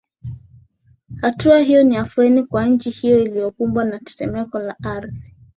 hatua hiyo ni afueni kwa nchi hiyo iliyokumbwa na tetemeko la ardhi